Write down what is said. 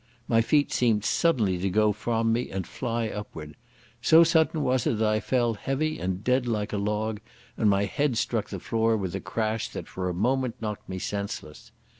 My feet seemed suddenly to go from me and fly upward. So sudden was it that I fell heavy and dead like a log, and my head struck the floor with a crash that for a moment knocked me senseless.